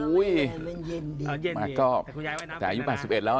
อุ๊ยแต่อยู่๘๑แล้วนะบางทีคุณยาย